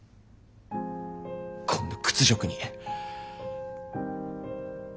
こんな屈辱に。